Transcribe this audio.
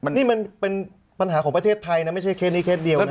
นี่มันเป็นปัญหาของประเทศไทยนะไม่ใช่เคสนี้เคสเดียวนะ